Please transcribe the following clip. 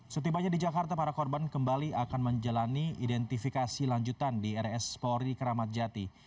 setibanya di jakarta para korban kembali akan menjalani identifikasi lanjutan di rs polri keramat jati